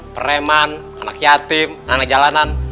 preman anak yatim anak jalanan